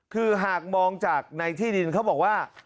คือหากมองจากในที่ดินเขาบอกว่า